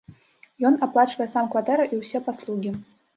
Ён аплачвае сам кватэру і ўсе паслугі.